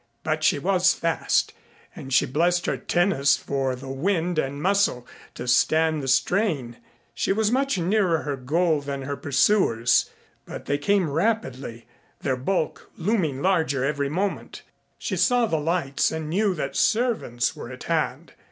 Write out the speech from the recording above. But she was fast, and she blessed her tennis for the wind and muscle to stand the strain. She was much nearer her goal than her pursuers, but they came rapidly, their bulk looming larger every moment. She saw the lights and knew that servants were at hand.